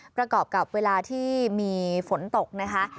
ประกอบกับเวลาที่มีฝนตกนะคะ